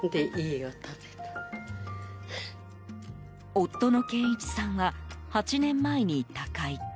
夫の健一さんは８年前に他界。